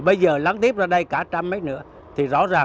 bây giờ lắng tiếp ra đây cả trăm mét nữa